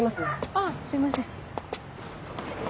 ああすいません。